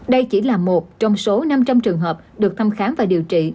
đây chỉ là một trong số năm trăm linh trường hợp được thăm khám và điều trị